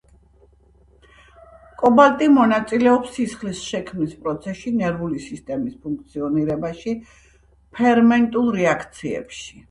კობალტი მონაწილეობს სისხლის შექმნის პროცესში, ნერვიული სისტემის ფუნქციებში, ფერმენტულ რეაქციებში.